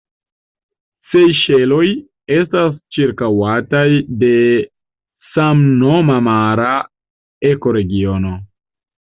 Sejŝeloj estas ĉirkaŭataj de samnoma mara ekoregiono.